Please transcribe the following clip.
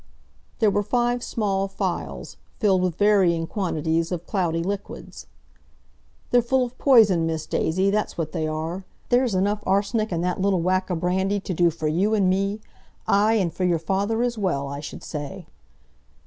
There were five small phials, filled with varying quantities of cloudy liquids. "They're full of poison, Miss Daisy, that's what they are. There's enough arsenic in that little whack o' brandy to do for you and me—aye, and for your father as well, I should say."